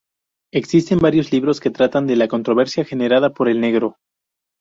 Existen varios libros que tratan de la controversia generada por El Negro.